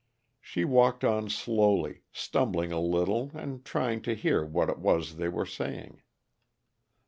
She walked on slowly, stumbling a little and trying to hear what it was they were saying.